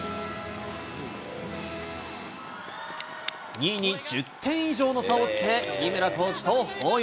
２位に１０点以上の差をつけ、井村コーチと抱擁。